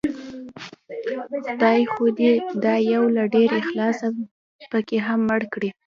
خدای خو دې دا يو له ډېر اخلاصه پکې هم مړ کړي